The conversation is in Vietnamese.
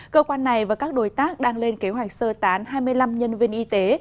cơ quan này và các đối tác đang lên kế hoạch sơ tán hai mươi năm nhân viên y tế